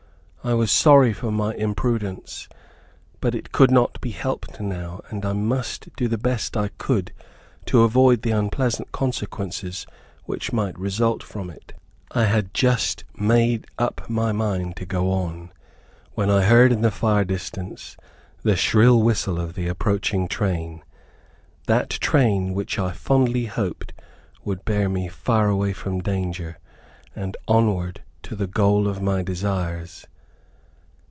I was sorry for my imprudence, but it could not be helped now, and I must do the best I could to avoid the unpleasant consequences which might result from it. I had just made up my mind to go on, when I heard in the far distance, the shrill whistle of the approaching train; that train which I fondly hoped would bear me far away from danger, and onward to the goal of my desires.